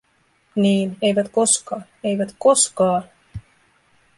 Niin, eivät koskaan, eivät koskaan.